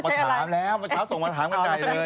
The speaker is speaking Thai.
ผมก็ต้องมาถามแล้วมันต้องมาถามขนาดไหนเลย